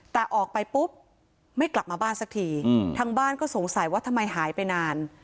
แต่ออกไปปุ๊บไม่กลับมาบ้านสักทีทางบ้านก็สงสัยว่าทำไมหายไปนาน